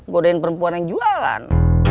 godain perempuan yang jualan